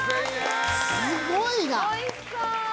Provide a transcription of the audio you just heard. すごいな！